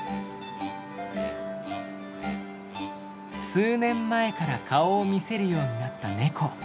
数年前から顔を見せるようになった猫。